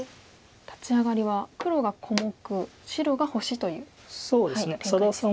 立ち上がりは黒が小目白が星という展開ですね。